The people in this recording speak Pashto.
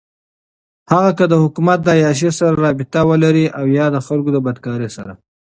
هغــه كه دحــكومت دعيــاشۍ سره رابطه ولري اويا دخلـــكو دبدكارۍ سره.